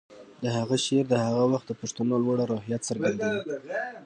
د هغه شعر د هغه وخت د پښتنو لوړه روحیه څرګندوي